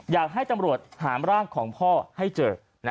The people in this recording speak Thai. อยากให้ตำรวจหามร่างของพ่อให้เจอ